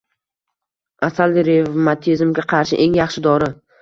Asal revmatizmga qarshi eng yaxshi dori.